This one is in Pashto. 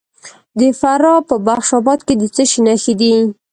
د فراه په بخش اباد کې د څه شي نښې دي؟